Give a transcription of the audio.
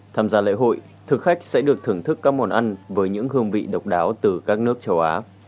tham gia lễ hội thực khách sẽ được thưởng thức các món ăn với những hương vị độc đáo từ các nước châu á